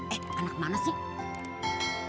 eh anak mana sih